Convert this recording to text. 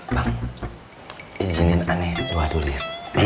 bang izinin aneh doa dulu ya